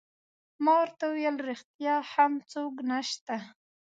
ما ورته وویل: ریښتیا هم څوک نشته؟